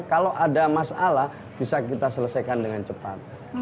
kalau ada masalah bisa kita selesaikan dengan cepat